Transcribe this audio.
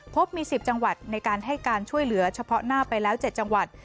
พบมี๑๐จังหวัดในการให้การช่วยเหลือเฉพาะหน้าไปแล้ว๗จังหวัด